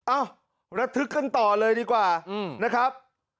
เอ้าระทึกกันต่อเลยดีกว่านะครับ